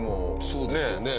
そうですよね